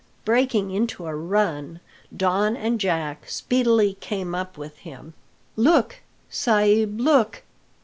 Breaking into a run, Don and Jack speedily came up with him. "Look, sa'b, look!"